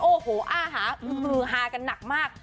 โอ้โหอ้าหาฮือฮากันหนักมาก